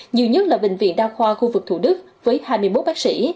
nhiều nhất là bệnh viện đa khoa khu vực thủ đức với hai mươi một bác sĩ